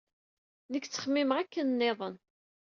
Nekk ttxemmimeɣ akken niḍen.